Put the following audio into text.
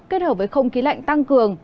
kết hợp với không khí lạnh tăng cường